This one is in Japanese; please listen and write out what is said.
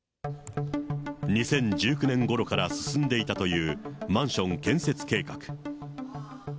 ２０１９年ごろから進んでいたというマンション建設計画。